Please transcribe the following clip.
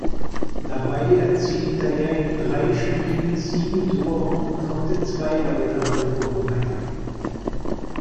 Dabei erzielte er in drei Spielen sieben Tore und konnte zwei weitere vorbereiten.